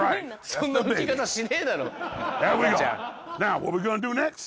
そんな拭き方しねえだろ